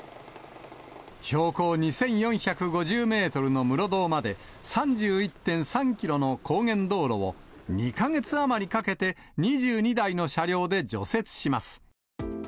標高２４５０メートルの室堂まで、３１．３キロの高原道路を、２か月余りかけて２２台の車両で除雪します。